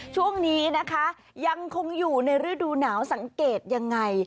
ช่วงนี้นะคะยังคงอยู่ในฤดูหนาวสังเกตยังไง